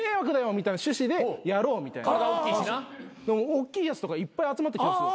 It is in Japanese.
おっきいやつとかいっぱい集まってきたんですよ。